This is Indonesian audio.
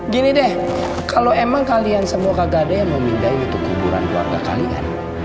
gini deh kalau emang kalian semua kagak ada yang memindai untuk kuburan keluarga kalian